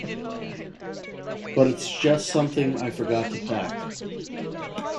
But it's just something I forgot to pack.